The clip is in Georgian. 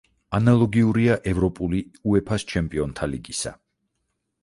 ანალოგიურია ევროპული უეფა-ს ჩემპიონთა ლიგისა.